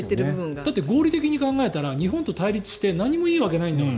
だって合理的に考えたら日本と対立して何もいいわけないんだから。